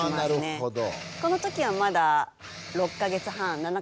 なるほど。